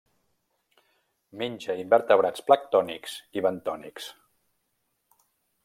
Menja invertebrats planctònics i bentònics.